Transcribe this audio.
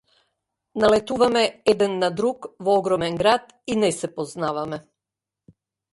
Налетуваме еден на друг во огромен град и не се познаваме.